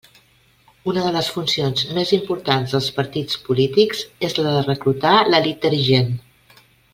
Una de les funcions més importants dels partits polítics és la de reclutar l'elit dirigent.